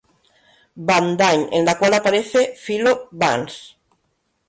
Van Dine en la cual aparece Philo Vance.